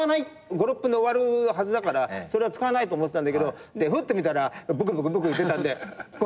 ５６分で終わるはずだからそれは使わないと思ってたんだけどふって見たらぶくぶくいってたんでか